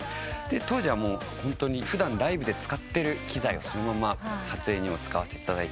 当時は普段ライブで使ってる機材をそのまま撮影にも使わせていただいて。